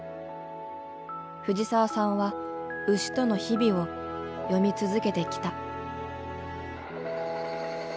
藤澤さんは牛との日々を詠み続けてきた。